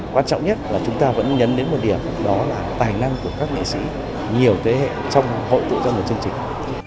quan trọng nhất là chúng ta vẫn nhấn đến một điểm đó là tài năng của các nghệ sĩ nhiều thế hệ trong hội tụ cho một chương trình